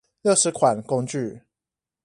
六十款工具